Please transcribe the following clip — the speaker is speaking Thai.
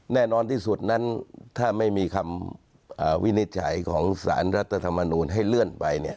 แน่นอนที่สุดนั้นถ้าไม่มีคำวินิจฉัยของสารรัฐธรรมนูลให้เลื่อนไป